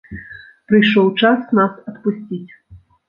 Прыйшоў час нас адпусціць.